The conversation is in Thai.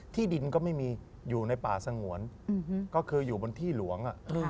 ที่ดินก็ไม่มีอยู่ในป่าสงวนก็คืออยู่บนที่หลวง